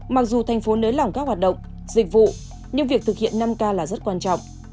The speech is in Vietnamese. mặc dù thành phố nới lỏng các hoạt động dịch vụ nhưng việc thực hiện năm k là rất quan trọng